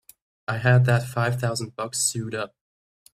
I had that five thousand bucks sewed up!